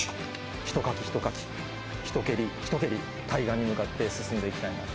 ひとかきひとかき、ひと蹴りひと蹴り、対岸に向かって進んでいきたいなと。